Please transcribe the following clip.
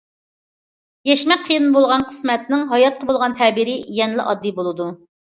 يەشمەك قىيىن بولغان قىسمەتنىڭ ھاياتقا بولغان تەبىرى يەنىلا ئاددىي بولىدۇ.